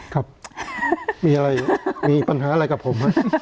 ครับมีปัญหาอะไรกับผม